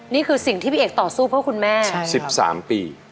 นี่คือสิ่งที่พี่เอกต่อสู้เพราะคุณแม่ใช่ครับสิบสามปี